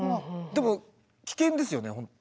でも危険ですよね。